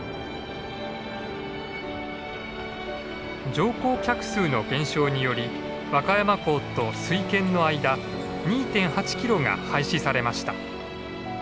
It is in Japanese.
乗降客数の減少により和歌山港と水軒の間２．８キロが廃止されました。